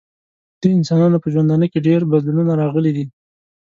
د انسانانو په ژوندانه کې ډیر بدلونونه راغلي دي.